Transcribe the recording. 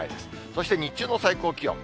そして日中の最高気温。